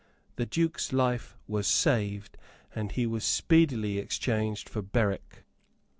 The Duke's life was saved; and he was speedily exchanged for Berwick.